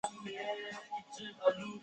翌年省际联赛因战争临近而停顿。